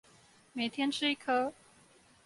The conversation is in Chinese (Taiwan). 每天吃一顆